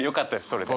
それで。